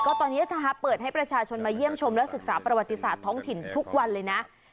ตอนนี้เปิดให้ประชาชนมาเยี่ยมชมและศึกษาประวัติศาสตร์ท้องถิ่นทุกวันเลยนะ